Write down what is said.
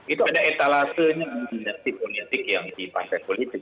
itu ada etalasenya dinasti politik yang di partai politik